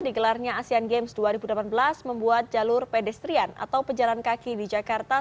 digelarnya asean games dua ribu delapan belas membuat jalur pedestrian atau pejalan kaki di jakarta